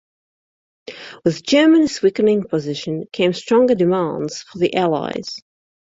With Germany's weakening position came stronger demands from the Allies.